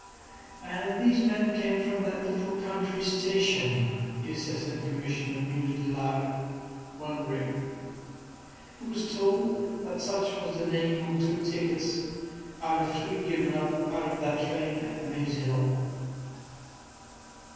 "And these men came from that little country station," the Assistant Commissioner mused aloud, wondering. He was told that such was the name on two tickets out of three given up out of that train at Maze Hill.